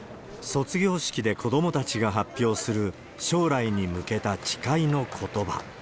卒業式で子どもたちが発表する、将来に向けた誓いのことば。